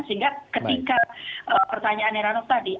sehingga ketika pertanyaan heranov tadi